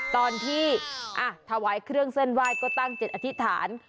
ตอนที่ถวายเครื่องเส้นไหว้ก็ตั้งจิตอธิษฐาน